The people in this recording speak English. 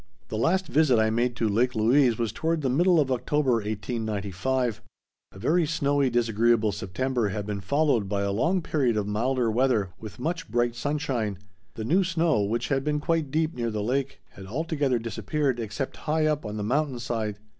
The last visit I made to Lake Louise was toward the middle of October, 1895. A very snowy, disagreeable September had been followed by a long period of milder weather with much bright sunshine. The new snow, which had been quite deep near the lake, had altogether disappeared except high up on the mountain side.